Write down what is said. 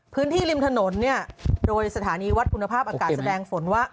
พื้นที่ริมถนนนี่โดยสถานีวัดคุณภาพอากาศแสดงผลว่า